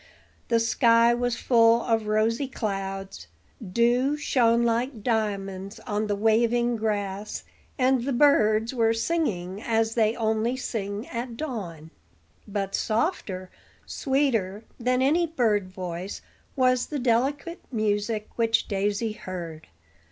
The sky was full of rosy clouds; dew shone like diamonds on the waving grass, and the birds were singing as they only sing at dawn. But softer, sweeter than any bird voice was the delicate music which Daisy heard.